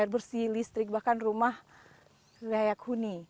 air bersih listrik bahkan rumah layak huni